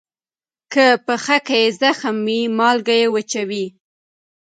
که پښه کې زخم وي، مالګه یې وچوي.